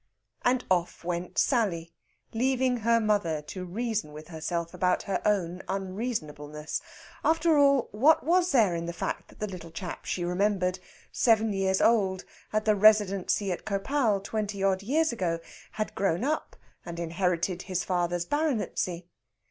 And off went Sally, leaving her mother to reason with herself about her own unreasonableness. After all, what was there in the fact that the little chap she remembered, seven years old, at the Residency at Khopal twenty odd years ago had grown up and inherited his father's baronetcy?